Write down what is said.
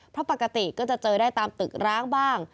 เพราะปกติก็จะเจอได้ตามตึกร้างบ้าง